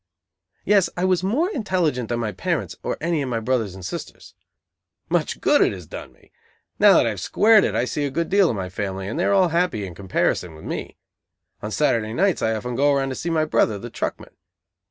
Yes, I was more intelligent than my parents or any of my brothers and sisters. Much good it has done me! Now that I have "squared it" I see a good deal of my family, and they are all happy in comparison with me. On Saturday nights I often go around to see my brother the truckman.